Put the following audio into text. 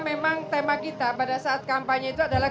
memang tema kita pada saat kampanye itu adalah